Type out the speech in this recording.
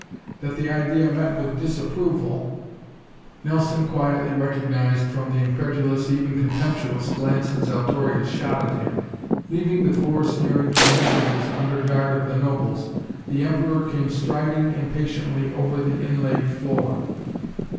That the idea met with disapproval, Nelson quietly recognized from the incredulous, even contemptuous, glances Altorius shot at him. Leaving the four sneering Jarmuthians under guard of the nobles, the Emperor came striding impatiently over the inlaid floor.